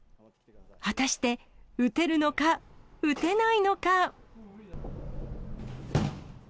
果たして打てるのか、打てないのか。